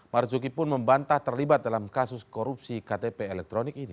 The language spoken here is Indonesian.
marzuki pun membantah terlibat dalam kasus korupsi ktp elektronik ini